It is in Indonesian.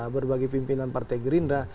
berbagai pimpinan partai gerindra